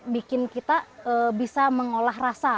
bikin kita bisa mengolah rasa